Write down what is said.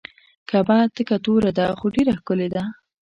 کعبه تکه توره ده خو ډیره ښکلې ده.